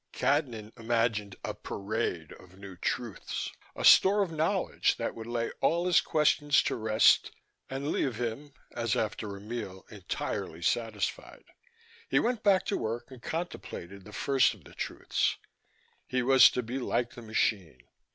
Cadnan imagined a parade of new truths, a store of knowledge that would lay all his questions to rest and leave him, as after a meal, entirely satisfied. He went back to work and contemplated the first of the truths: he was to be like the machine.